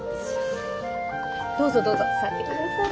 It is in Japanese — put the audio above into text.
どうぞどうぞ座ってください。